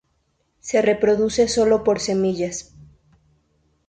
Se reproduce sólo por semillas.